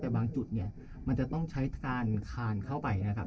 แต่บางจุดเนี่ยมันจะต้องใช้การคานเข้าไปนะครับ